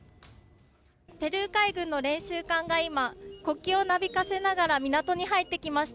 「ペルー海軍の練習艦が今国旗をなびかせながら港に入ってきます。